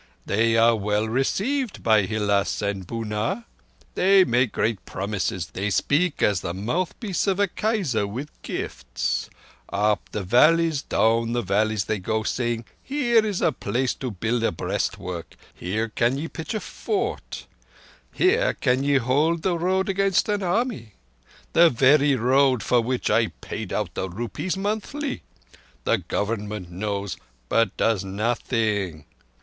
"They are well received by Hilás and Bunár. They make great promises; they speak as the mouthpiece of a Kaisar with gifts. Up the valleys, down the valleys go they, saying, 'Here is a place to build a breastwork; here can ye pitch a fort. Here can ye hold the road against an army'—the very roads for which I paid out the rupees monthly. The Government knows, but does nothing.